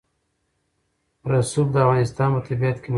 رسوب د افغانستان په طبیعت کې مهم رول لري.